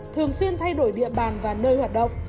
thường xuyên thay đổi địa bàn và nơi hoạt động